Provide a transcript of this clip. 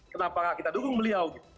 kenapa kita dukung beliau